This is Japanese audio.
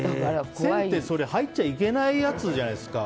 線って、入っちゃいけないやつじゃないですか。